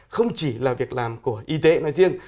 không chỉ là việc làm của y tế nói riêng